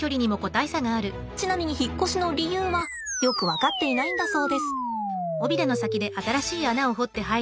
ちなみに引っ越しの理由はよく分かっていないんだそうです。